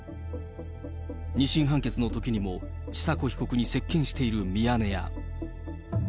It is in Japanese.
２審判決のときにも、千佐子被告に接見しているミヤネ屋。